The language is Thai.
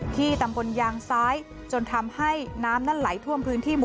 ที่ตำบลยางซ้ายจนทำให้น้ำนั้นไหลท่วมพื้นที่หมู่